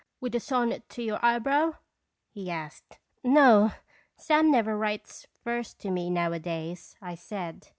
with a sonnet to your eyebrow?" he asked. " No. Sam never writes verse to me now adays," I said.